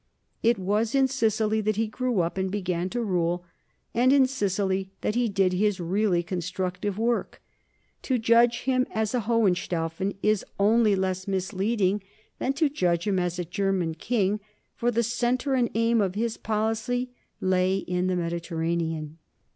It was in Sicily that he grew up and began to rule, and in Sicily that he did his really constructive work. To judge him as a Hohenstaufen is only less misleading THE NORMAN KINGDOM OF SICILY 221 than to judge him as a German king, for the centre and aim of his policy lay in the Mediterranean.